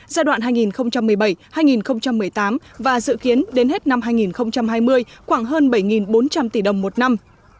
giai đoạn hai nghìn một mươi bảy hai nghìn một mươi tám và dự kiến đến hết năm hai nghìn hai mươi khoảng hơn bảy bốn trăm linh tỷ đồng một năm